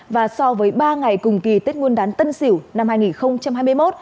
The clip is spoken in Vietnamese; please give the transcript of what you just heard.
và so với ba ngày cùng kỳ tết nguồn đán tân xỉu năm hai nghìn hai mươi một